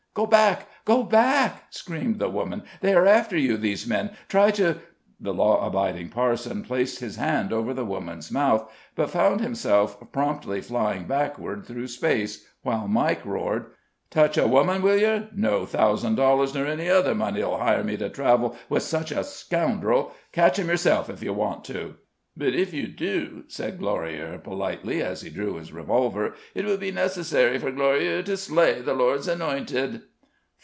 "Go back! go back!" screamed the woman. "They are after you, these men. Try to " The law abiding parson placed his hand over the woman's mouth, but found himself promptly flying backward through space, while Mike roared: "Touch a woman, will yer? No thousand dollars nor any other money, 'll hire me to travel with such a scoundrel. Catch him yerself, if yer want ter," "But if you do," said Glorieaux, politely, as he drew his revolver, "it will be necessary for Glorieaux to slay the Lord's anointed."